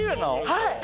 はい！